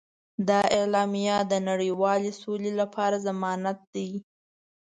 دا اعلامیه د نړیوالې سولې لپاره ضمانت دی.